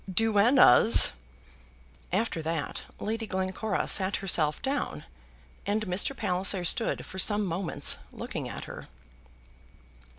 "Duennas!" After that, Lady Glencora sat herself down, and Mr. Palliser stood for some moments looking at her.